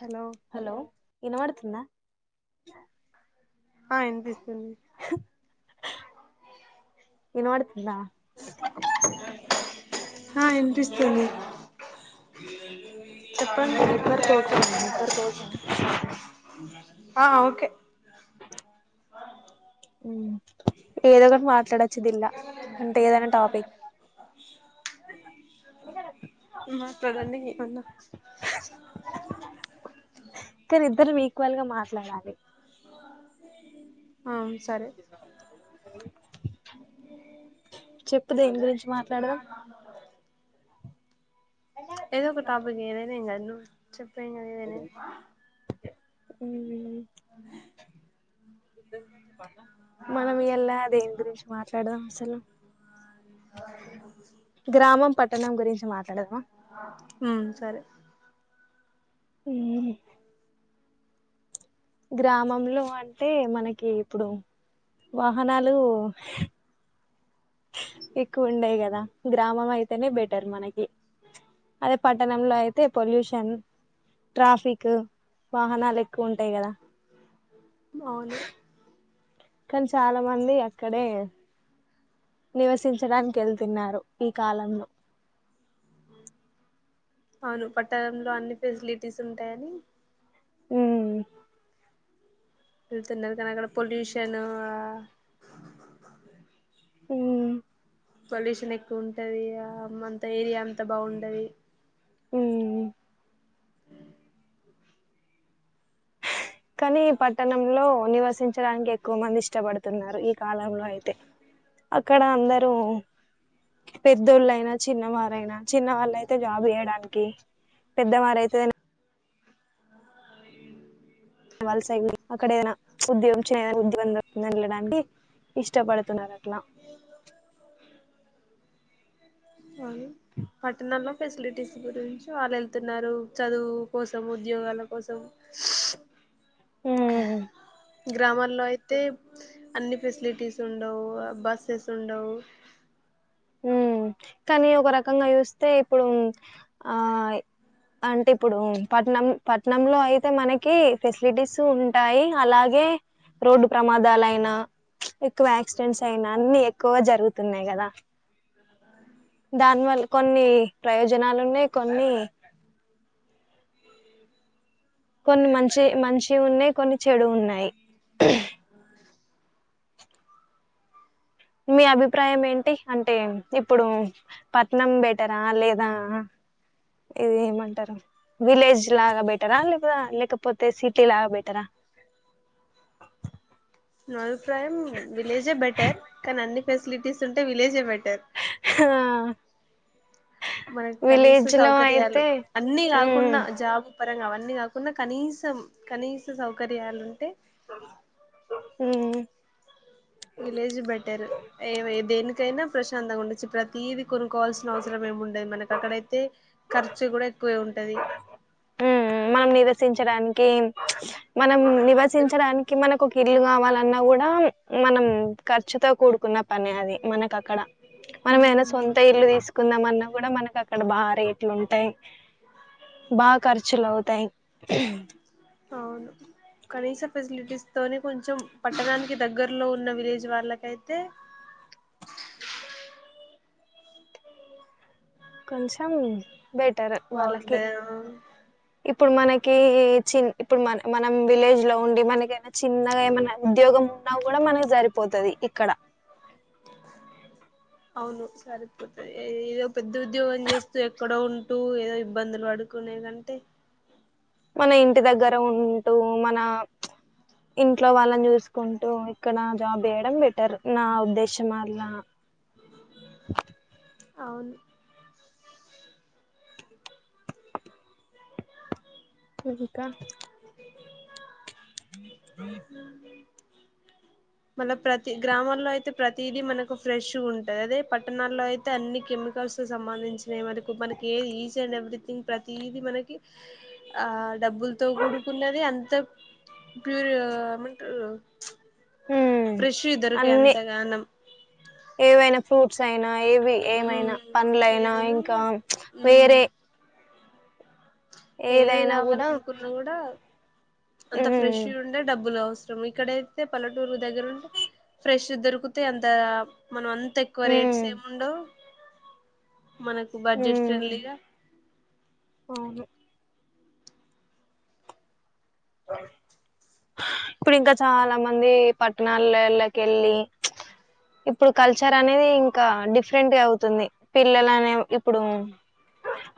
Hello hello వినపడుతుందా ఆ అనిపిస్తుంది వినబడుతుందా? ఆ ఇనిపిస్తుంది. హ్మ్మ్ నెట్వర్క్ ఓకేనా, నెట్వర్క్ ఓకేనా? ఆ ఓకే ఏదో ఒకటి మాట్లాడొచ్చదిలా, అంటే ఏదైనా టాపిక్ మాట్లాండి ఏమన్న కానీ ఇద్దరం ఈక్వల్ గా మాట్లాడాలి. ఆ సరే చెప్పు దేని గురించి మాట్లాడదాం? ఏదో ఒక టాపిక్ ఏదైనా ఏం కథ్ నువ్ చెప్ ఉహ్ ఉమ్ మనం ఇయల దేని గురించి మాట్లాడదాం అసలు ఆ గ్రామం పట్టణం గురించి మాట్ ఉమ్ సరే ఉమ్ గ్రామంలో అంటే మనకి ఇప్పుడు వాహనాలు ఎక్కువ ఉండయ్ కదా గ్రామం అయితేనే బెటర్ మనకి, ఆ పట్టణంలో అయితే పొల్యూషన్ ట్రాఫిక్ వాహనాలు ఎక్కువ ఉంటాయ్ కదా. అవును కానీ చాలా మంది అక్కడే నివసించడానికి ఎల్తున్నారు ఈ కాలంలో ఉమ్ అవును పట్టణంలో అన్ని ఫెసిలిటీస్ ఉంటాయని ఉమ్ వెళ్తున్నారు కనీ అక్కడ పొల్యూషన్ ఆ ఉమ్ పొల్యూషన్ ఎక్కువుంటది ఆ అంత ఏరియా అంతా బాగుండది. ఉమ్ కానీ పట్టణంలో నివసించడానికి ఎక్కువ మంది ఇష్టపడుతున్నారు ఈ కాలంలో అయితే. అక్కడ అందరూ పెద్దోళ్ళైనా చిన్నవారైనా, చిన్న వాళ్ళయితే జాబ్ చేయడానికి పెద్ద వారయితే ఎడ్ వలస వెళ్ళి అక్కడైనా ఉద్యగం చేయాలని ఏదనా ఉద్యోగం దొరికిందని ఏల్లాడానికి ఇష్టపడుతున్నారు అట్ల పట్టణంలో ఫెసిలిటీస్ గురించి వాల్ వెళ్తున్నారు, చదువు కోసం ఉద్యోగాల కోసం ఆ ఉమ్ గ్రామాల్లో అయితే అన్ని ఫెసిలిటీస్ ఉండవ్ బస్సెస్ ఉండవ్ ఉమ్ కానీ ఒక రకంగా చూస్తే ఇప్పుడు ఆ అంటే ఇప్పుడు పట్నం పట్నంలో అయితే మనకి ఫెసిలిటీస్ ఉంటాయ్ అలాగే రోడ్డు ప్రమాదాలయినా, ఎక్కువ యాక్సిడెంట్స్ అయినా, అన్ని ఎక్కువ జరుగుతున్నాయ్ కదా. దానివల్ కొన్ని ప్రయోజనాలున్నాయ్ కొన్ని కొన్ని మంచి మంచి ఉన్నాయ్, కొన్ని చెడు ఉన్నాయ్ మీ అభిప్రాయం ఏంటి, అంటే ఇప్పుడు పట్నం బెటర్ ఆ లేదా? ఏమంటరు? విలేజ్ లాగా బెటరా లేక లేకపోతే సిటీ లా బెటరా నా అభిప్రాయం విలేజే బెటర్ కానీ అన్ని ఫెసిలిటీస్ ఉంటే విలేజే బెటర్ హ... మనకు కనీస సౌకర్యాలు అన్ని ఉమ్ కాకున్నా జాబ్ పరంగా అవన్ని కాకున్నా కనీసం కనీస సౌకర్యాలు ఉంటే ఉమ్మ్ విలేజ్ బెటర్ ఏవి దేనికైనా ప్రశాంతంగా ఉండొచ్చు ప్రతీది కొనుక్కోవాల్సిన అవసరం ఉండదు మనకి అక్కడయితే ఖర్చు కూడా ఎక్కువే ఉంటది ఉమ్ మనం నివసించడానికి మనం నివసించడానికి మనకు ఒక ఇల్లు కావాలన్నా గూడా మనం ఖర్చుతో కూడుకున్న పని అది మనక అక్కడ మనం ఎన్న సొంత ఇల్లు తీసుకుందాంమన్న మనకు అక్కడ బాగా రేట్లు ఉంటాయ్ బా ఖర్చులవ్ తయ్ అవును కనీస ఫెసిలిటీస్ తోనీ కొంచెం పట్టణానికి దగ్గరలో ఉన్న విలేజ్ వాళ్ళకైతే కొంచెం బెటర్ వాళ్ళకి బాగుంటా ఇప్ ఇప్పుడు మనకీ చిన్ ఇప్పుడు మన మనం విలేజ్ లో ఉండి మనకేమన్న చిన్నగా ఏమన్నా ఉద్యోగము ఉన్నా గూడా మనకి సరిపోతది ఇక్కడ అవును సరిపోతది ఏదో పెద్ద ఉద్యోగం చేస్తూ ఎక్కడో ఉంటూ ఏదో ఇబ్బందులు పడుకునే గంతే మన ఇంటి దగ్గర ఉంటూ మన ఇంట్లో వాళ్ళని చూసుకుంటూ ఇక్కడ జాబ్ చేయడం బెటర్ నా ఉద్దేశమల్ల అవును ఇంకా అ మళ్ళ ప్రతి గ్రామాల్లో అయితే ప్రతిదీ మనకు ఫ్రెష్ గ ఉంటంది అదే పట్టణాల్లో అయితే అన్ని కె మికల్స్ సంబంధించిన వరకు మనకి ఈచ్ అండ్ ఎవ్రీథింగ్ ప్రతీది మనకి డబ్బుల్తో కూడుకున్నది అంత ప్యూర్ ఏమంటరు మ్మ్ అన్నీ ఏవైనా ఫ్రూట్స్ అయినా ఏవి ఏమైనా మ్మ్ పన్లులైనా ఏదైనా ఇంకా మ్మ్ వేరే ఏది ఏదైనా కూడా కావాలనుకున్నా కూడా అంత ఉమ్ ఫ్రెష్ ఉండే డబ్బులు అవ ఇక్కడైతే పల్లెటూరు దగ్గరుంటే ఫ్రెష్ దొరికితే అంత మనం అంత ఎక్కువ రేట్స్ ఉమ్ ఏం ఉండవు మనకు బడ్జెట్ ఉమ్ ఫ్రెండ్లీగా అవును ఆ ఇప్పుడు ఇంకా చాలా మంది పట్టణాలెల్లకెళ్ళి ఇప్పుడు కల్చర్ అనేది ఇంకా డిఫరెంట్ గా అవుతుంది పిల్లల అనే ఇప్పుడు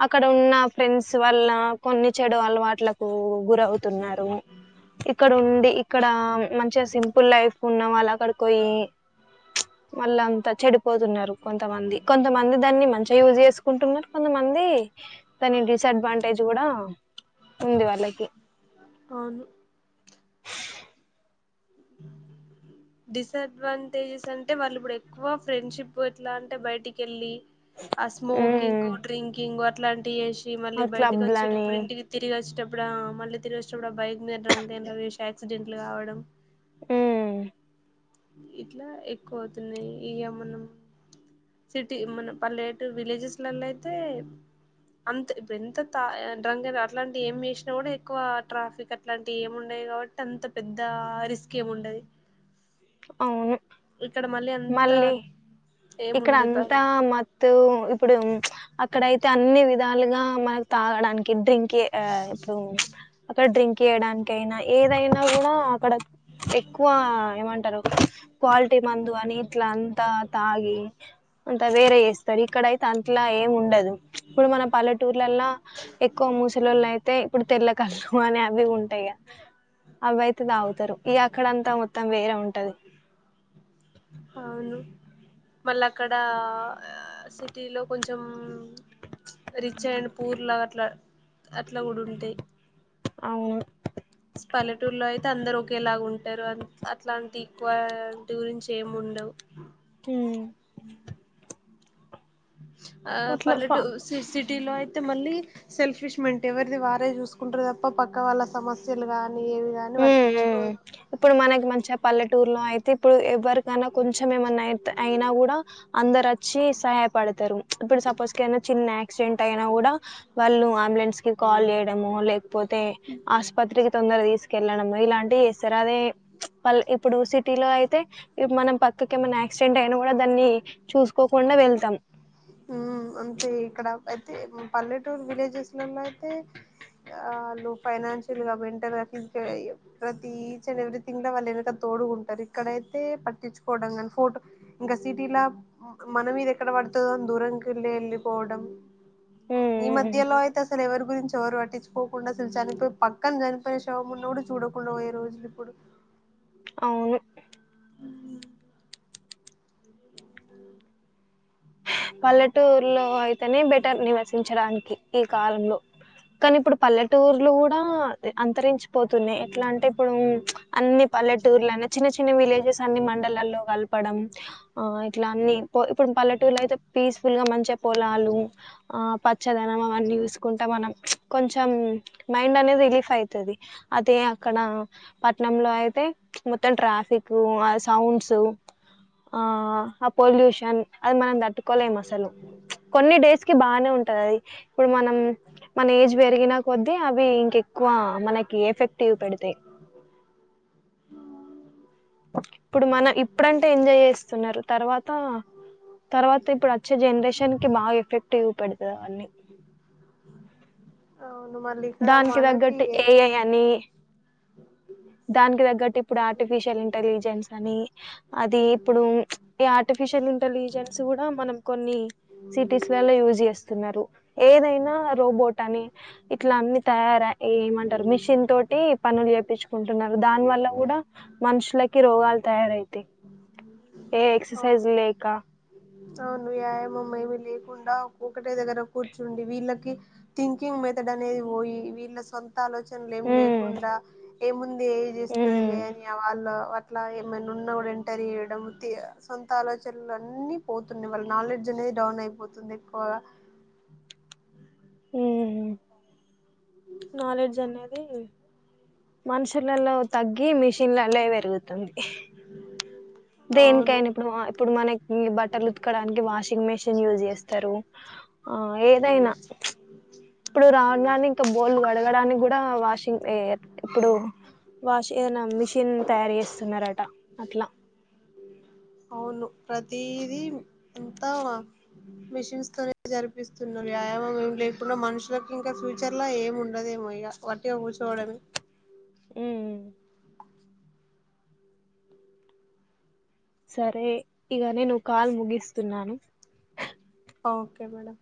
అక్కడ ఉన్న ఫ్రెండ్స్ వల్ల కొన్ని చెడు అలవాట్లకు గురౌతున్నారు ఇక్కడ ఉండి ఇక్కడ మంచిగా సింపుల్ లైఫ్ ఉన్నా వాళ్ళ అక్కడికి ఓయ్యి మళ్ళ అంత చెడిపోతున్నారు కొంతమంది కొంతమంది దాన్ని మంచిగా యూజ్ చేసుకుంటున్నారు కొంతమంది ఉంది డిసడ్వాంటేజ్ కూడా ఉంది వాళ్ళకి అవును డిసడ్వాంటేజెస్ అంటే వాళ్ళు ఇప్పుడు ఎక్కువ ఫ్రెండ్షిప్ అట్లా అంటే బయటికెళ్ళి ఆ స్మోకింగ్ ఉమ్ డ్రింకింగ్ అట్లాంటి చేసి మళ్ళీ ఆ బయటకి క్లబ్లని వచ్చేటప్పుడు ఇంటికి తిరిగి వచ్చేటప్పుడు ఇప్పుడా మళ్ళీ తిరిగి వచ్చినప్పుడు బైక్ మీద డ్రంక్ అండ్ డ్రైవ్ చేసి యాక్సిడెంట్లు కావడం ఉమ్ ఇట్లా ఎక్కువ అవుతున్నాయి ఇగ మనం సిటీ మన పల్లెటురు విలేజెస్లలో అయితే అంత ఇప్పుడు ఎంత తాగి డ్రంక్ అట్లాంటియి ఏం చేసినా కూడా ఎక్కువ ట్రాఫిక్ అట్లాంటియి ఏమిండ డయి కాబట్టి అంత పెద్ద రిస్క్ ఏముండది అవును మళ్ళీ అంత మళ్ళీ ఏమి ఇక్కడ ఉండదు అంతా మత్తు ఇప్పుడు అక్కడయితే అన్ని విధాలుగా మనకు తాగడానికి డ్రింక్ ఆ ఇప్పుడు అక్కడ డ్రింక్ చేయడానికైనా ఏదైనా కూడా అక్కడ ఎక్కువ ఏమంటరు క్వాలిటీ మందు అ అని ఇట్లా అంతా తాగి అంటే వేరే చేస్తరు ఇక్కడయితే అట్లా ఏం ఉండదు ఇప్పుడు మన పల్లెటూర్లల్ల ఎక్కువ మూసలోళ్ళు అయితే ఇప్పుడు తెల్లకళ్ళు అని అవ్వివ్వి ఉంటయిగా అవి అయితే తాగుతరు ఇగ అక్కడంత మొత్తం వేరే ఉంటది అవును మళ్ళక్కడ సిటీ లో కొంచం రిచ్ అయిండ్ పూర్ లాగా అట్లా అట్లా కూడ ఉంటేయి అవును పల్లెటూరులో అయితే అందరు ఒకేలాగా ఉంటారు అట్లాంటి ఈక్వాలిటి గురించి ఏమిండ ఉండవు హ్మ్ ఆ ఇట్లా పల్లెటూ ఫా సి సిటీ టీలో అయితే మళ్ళీ సెల్ఫిష్మెంట్ ఎవరిది వారే చూసుకుంటరు తప్ప పక్క వాళ్ళ సమస్యలు గానీ ఏవి గాని హ్మ్ హ్మ్. పట్టిచుకోరు ఇప్పుడు మనకి మంచిగా పల్లెటూరులో అయితే ఇప్పుడు ఎవ్వరికైనా కొంచెం ఏమైన్నయితే అయినా కూడా అందరు వచ్చి సహాయపడతరు ఇప్పుడు సపోజ్ ఏదైన చిన్న ఎక్సిడెంట్ అయినా కూడా వాళ్ళు అంబులెన్స్ కి కాల్ చేయడము లేకపోతే ఆస్పత్రికి తొందర తీసుకు కెళ్ళడము ఇలాంటియి చేస్తరు అదే ఇప్పుడు సిటీ లో అయితే మనం పక్కకి ఏమన్న ఏక్సిడెంట్ అయినా కూడా దాన్ని చూసుకోకుండా వెళ్తాం ఉ అంతే ఇక్కడ అయితే పల్లెటూరు విలేజెస్లలో అయితే ఆ వాళ్ళు ఫైనాన్షియల్ గా మెంటల్గా ఫిజికల్గా ప్రతి ఈచ్ అండ్ ఎవ్రీథింగ్ లో వాళ్ళు వెనక తోడుగుంటరు ఇక్కడయితే పట్టించుకోవడం కానీ ఫోటో ఇంకా సిటీల మనమీద ఎక్కడ పడుతదో అని దురంకెళ్ళి వెళ్ళిపోవడం ఈ హ్మ్. హ్మ్. మధ్యలో అయితే అసలు ఎవరి గురించి ఎవరు పట్టించుకోకుండా అసలు చనిపోయి పక్కన చనిపోయిన శవం ఉన్న కూడా చూడకుండ పోయే రోజులు ఇప్పుడు అవును ఉమ్ పల్లెటూరులో అయితేనే బెటర్ నివసించడానికి ఈ కాలంలో కానీ ఇప్పుడు పల్లెటూర్లు కూడా అంతరించ పోతున్నయి ఎట్లా అంటే ఇప్పుడు అన్ని పల్లెటూర్లన్న చిన్న చిన్న చిన్న విలేజెస్ అన్ని మండలాల్లో కలపడం ఆ ఇట్లా అన్ని ఇప్పుడు పల్లెటూరులో అయితే పీస్ఫుల్గా మంచిగ పొలాలు ఆ పచ్చదనం అవన్నీ చూసుకుంట మనం కొంచెం మైండ్ అనేది రిలీఫ్ అయితది అదే అక్కడ పట్నంలో అయితే మొత్తం ట్రా ట్రాఫికు ఆ సౌండ్స ఆ ఆ పొల్యూషన్ అది మనం తట్టు కోలెం అసలు కొన్ని డేస్ కి బానే ఉంటంది అది ఇప్పుడు మనం మన ఏజ్ పెరిగినా కొద్ది అవి ఇంకెక్కువ మనకి ఎఫెక్ట్ చూపెడతయి [unintelligible] ఇప్పుడు మన ఇప్పుడంటే ఎంజాయ్ చేస్తున్నరు తర్వాత తర్వాత ఇప్పుడు అచ్చే జనరేషన్ కి బాగా ఎఫెక్ట్ చూపేడుతది అవన్నీ అ దానికి తగ్గట్టు ఏఐ అని దానికి తగ్గట్టు ఇప్పుడు ఆర్టిఫిషియల్ ఇంటెలిజెన్స్ అని అది ఇప్పుడు ఈ ఆర్టిఫిషియల్ ఇంటెలిజెన్స్ కూడా మనం కొన్ని సిటీస్ లల్ల యూజ్ చేస్తున్నారు ఏదైనా రోబోట్ అని ఇట్లా అన్ని తయార ఏమంటారు మిషిన్ తోటి పనులు చేపిచు కుంటున్నారు దాని వల్ల కూడా మనుషులకి రోగాలు తయారైతాయి ఏ ఎక్సర్సైజ్ లేక అవును వ్యాయామం ఏమి లేకుండా ఒకటే దగ్గర కూర్చుండి వీళ్ళకి థింకింగ్ మెదడు అనేది పోయి వీళ్ళ సొం ఆలోచనలు ఏం ఉమ్ లేకుండా ఏముంది ఎఐ చేస్తది ఉమ్ లే అని వాళ్ళ అట్లా ఏమైనా ఉన్న కూడా ఎంటర్ చేయడం సొంత ఆలోచనలు అన్ని పోతున్నాయి వాళ్ళ నాలెడ్జ్ అనేది డౌన్ అయిపోతుంది ఎక్కువగా అ ఉహు నాలెడ్జ్ అనేది మనుషులల్ల వ తగ్గి మిషన్ లలే పెరుగుతుంది అవును దేనికైనా ఇప్పుడు ఇప్పుడు మన ఇ బట్టలు ఉతుకడానికి వాషింగ్ మెషిన్ యూజ్ చేస్తారు ఆ ఏదైనా ఇప్పుడు రాను రాను ఇంకా బోల్ కడగడానికి కూడా వాషింగ్ ఏయదు ఇప్పుడు వాష్ ఏదన మిషిన్ తయారు చేస్తున్నార అట్లా అవును ప్రతిది అంతా మిషిన్స్ తోనే జరిపిస్తున్నా వ్యాయామం ఏం లేకుండా మనుషులకు ఇంకా ఫ్యూచర్ ల ఏం ఉండదేమో ఇగ అట్టిగా కూచొడమే ఉమ్ సరే ఇగ నేను కాల్ ముగిస్తున్నాను ఓకే మేడం